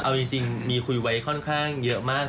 เอาจริงมีคุยไว้ค่อนข้างเยอะมาก